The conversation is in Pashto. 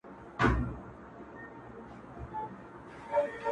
په ځان وهلو باندي ډېر ستړی سو ـ شعر ليکي ـ